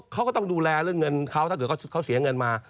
เขาก็ต้องดูแลเรื่องเงินเขาถ้าเกิดเขาเสียเงินมา